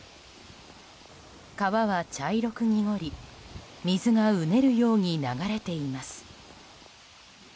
川は茶色く濁り水がうねるように流れています。